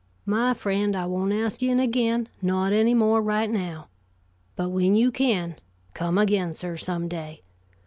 My friend, I won't ask you in again, not any more, right now. But when you can, come again, sir, some day.